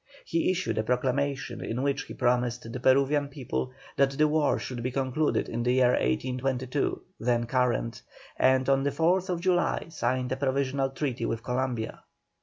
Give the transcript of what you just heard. He issued a proclamation in which he promised the Peruvian people that the war should be concluded in the year 1822, then current, and on the 4th July signed a provisional treaty with Columbia.